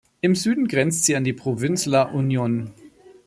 Im Süden grenzt sie an die Provinz La Union.